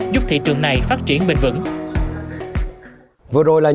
giúp thị trường này phát triển bình vẩn